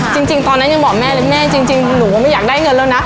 จริงตอนนั้นยังบอกแม่เลยแม่จริงหนูก็ไม่อยากได้เงินแล้วนะ